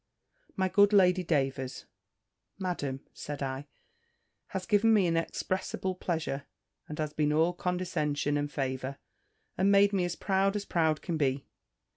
"My good Lady Davers, Madam," said I, "has given me inexpressible pleasure, and has been all condescension and favour, and made me as proud as proud can be."